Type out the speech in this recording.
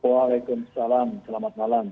waalaikumsalam selamat malam